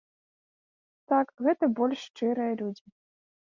Так, гэта больш шчырыя людзі.